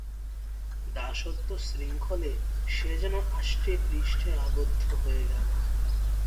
দাসত্বশৃঙ্খলে সে যেন আষ্টেপৃষ্ঠে আবদ্ধ হয়ে গেল।